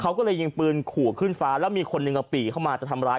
เขาก็เลยยิงปืนขู่ขึ้นฟ้าแล้วมีคนหนึ่งปี่เข้ามาจะทำร้าย